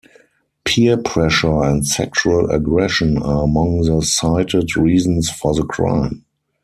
Peer pressure and sexual aggression are among the cited reasons for the crime.